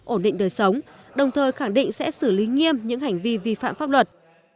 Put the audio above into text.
ổn định đời sống đồng thời khẳng định sẽ xử lý nghiêm những hành vi vi phạm pháp luật